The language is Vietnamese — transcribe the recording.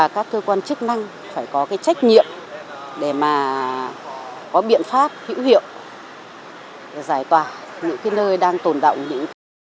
các cơ quan chức năng phải có cái trách nhiệm để mà có biện pháp hữu hiệu giải tỏa những cái nơi đang tồn động